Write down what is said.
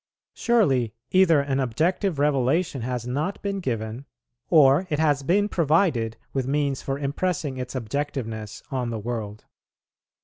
Surely, either an objective revelation has not been given, or it has been provided with means for impressing its objectiveness on the world.